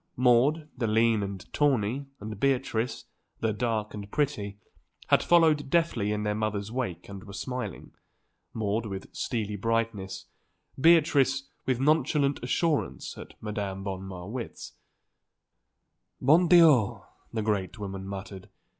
Maude, the lean and tawny, and Beatrice, the dark and pretty, had followed deftly in their mother's wake and were smiling, Maude with steely brightness, Beatrice with nonchalant assurance, at Madame von Marwitz. "Bon Dieu!" the great woman muttered.